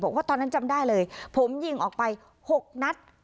บอกว่าตอนนั้นจำได้เลยผมยิงออกไป๖นัด